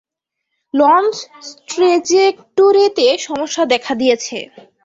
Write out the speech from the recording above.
Launch ট্র্যাজেক্টোরিতে সমস্যা দেখা দিয়েছে।